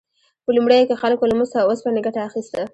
په لومړیو کې خلکو له مسو او اوسپنې ګټه اخیسته.